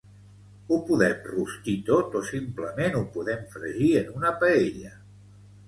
Ho podem rostir tot o simplement ho podem fregir en una paella.